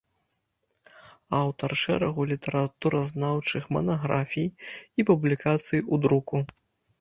Аўтар шэрагу літаратуразнаўчых манаграфій і публікацый у друку.